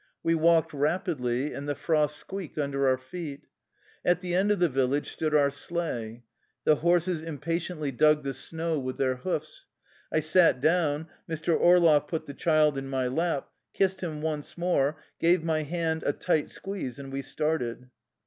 We walked rapidly, and the frost squeaked un der our feet. At the end of the village stood our sleigh. The horses impatiently dug the snow with their hoofs. I sat down, Mr. Orloff put the child in my lap, kissed him once more, gave my hand a tight squeeze, and we started.